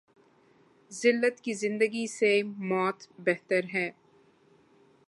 زلت کی زندگی سے موت بہتر ہے۔